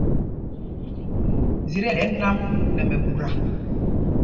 Zī tí ɛɗɛ nǎm nɛ mɛɓuta.